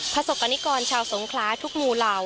พระสบกันที่ก่อนชาวสงขลาทุกมูเหล่า